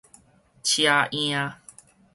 奢颺